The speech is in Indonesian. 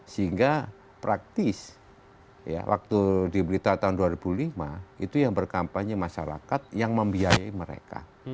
sehingga praktis waktu di blitar tahun dua ribu lima itu yang berkampanye masyarakat yang membiayai mereka